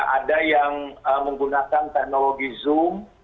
ada yang menggunakan teknologi zoom